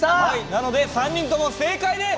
なので３人とも正解です！